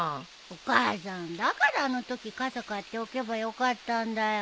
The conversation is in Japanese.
お母さんだからあのとき傘買っておけばよかったんだよ。